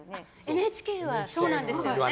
ＮＨＫはそうなんですよね。